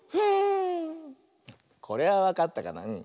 これはわかったかな？